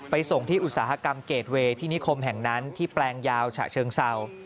ส่งที่อุตสาหกรรมเกรดเวย์ที่นิคมแห่งนั้นที่แปลงยาวฉะเชิงเศร้า